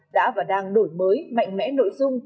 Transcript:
đã và đang đổi mới mạnh mẽ nội dung